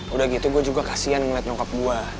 udah gitu gue juga kasian ngeliat nyokap gue